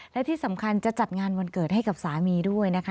และที่สำคัญจะจัดงานวันเกิดให้กับสามีด้วยนะคะ